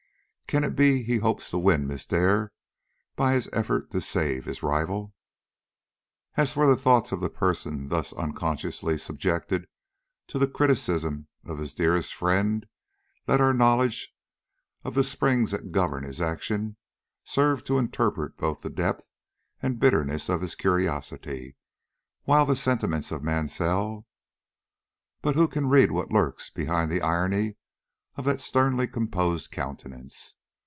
Can it be he hopes to win Miss Dare by his effort to save his rival?" As for the thoughts of the person thus unconsciously subjected to the criticism of his dearest friend, let our knowledge of the springs that govern his action serve to interpret both the depth and bitterness of his curiosity; while the sentiments of Mansell But who can read what lurks behind the iron of that sternly composed countenance?